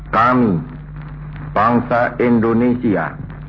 kami bangsa indonesia